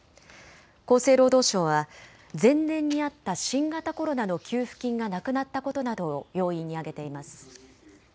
厚生労働省は前年にあった新型コロナの給付金がなくなったことなどを要因に挙げています。